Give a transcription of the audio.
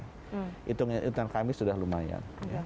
hitungan kami sudah lumayan